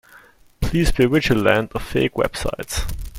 Please be vigilant of fake websites.